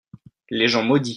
les gens maudits.